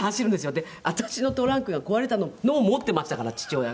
で私のトランクが壊れたのを持っていましたから父親が。